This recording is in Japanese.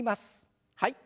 はい。